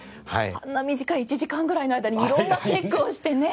あんな短い１時間ぐらいの間に色んなチェックをしてね。